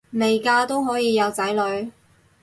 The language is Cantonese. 未嫁都可以有仔女